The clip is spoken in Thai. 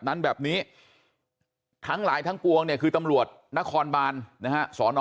นั้นแบบนี้ทั้งหลายทั้งปวงเนี่ยคือตำรวจนครบานนะฮะสอนอ